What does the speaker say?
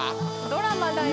ドラマだよ。